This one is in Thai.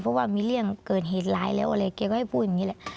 เพราะว่ามีเรื่องเกิดเหตุร้ายแล้วอะไรแกก็ให้พูดอย่างนี้แหละ